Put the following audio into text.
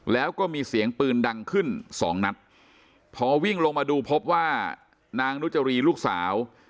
แล้วก็มีเสียงปืนดังขึ้นสองนัดพอวิ่งลงมาดูพบว่านางนุจรีลูกสาว